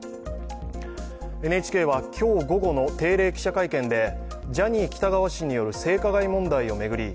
ＮＨＫは、今日午後の定例記者会見でジャニー喜多川氏による性加害問題を巡り